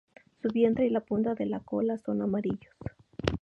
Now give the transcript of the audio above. Su vientre y la punta de la cola son amarillos.